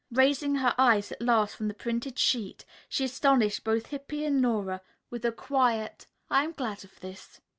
Raising her eyes at last from the printed sheet she astonished both Hippy and Nora with a quiet, "I am glad of this."